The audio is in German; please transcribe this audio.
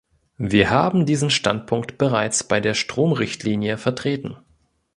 Wir haben diesen Standpunkt bereits bei der "Stromrichtlinie" vertreten.